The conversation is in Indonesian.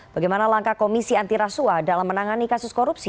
bagaimana langkah komisi antirasua dalam menangani kasus korupsi